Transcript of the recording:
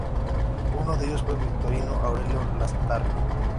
Uno de ellos fue Victorino Aurelio Lastarria.